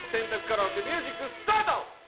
カラオケミュージックスタート！